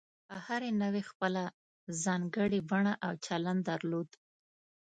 هرې نوعې خپله ځانګړې بڼه او چلند درلود.